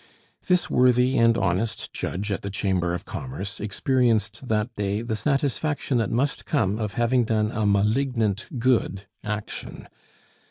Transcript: This worthy and honest judge at the Chamber of Commerce experienced that day the satisfaction that must come of having done a malignant good action.